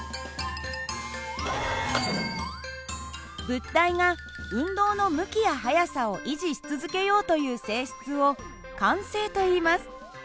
物体が運動の向きや速さを維持し続けようという性質を慣性といいます。